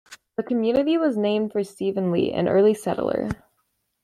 The community was named for Stephen Lee, an early settler.